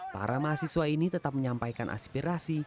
para mahasiswa ini tetap menyampaikan aspirasi